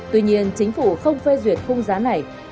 tuy nhiên chính phủ không phê duyệt khung giá này